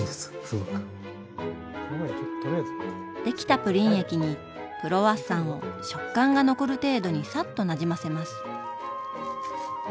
できたプリン液にクロワッサンを食感が残る程度にサッとなじませます。